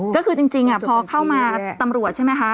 ก็คือจริงพอเข้ามาตำรวจใช่ไหมคะ